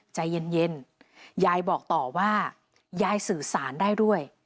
ใจเย็นยายบอกต่อว่ายายสื่อสารได้ด้วย